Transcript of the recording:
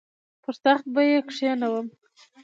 پر تخت به یې کښېنوم.